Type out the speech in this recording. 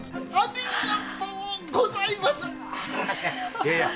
いやいや。